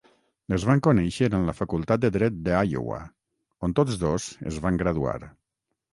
Es van conèixer en la Facultat de Dret de Iowa, on tots dos es van graduar.